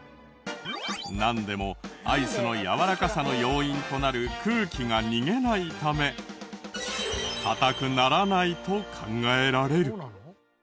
なんでもアイスのやわらかさの要因となる空気が逃げないためかたくならないと考えられる。